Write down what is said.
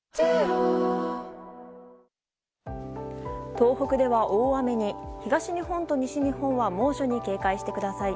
東北では大雨に東日本と西日本は猛暑に警戒してください。